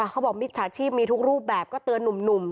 มิจฉาชีพมีทุกรูปแบบก็เตือนหนุ่ม